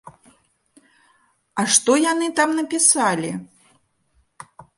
А што яны там напісалі?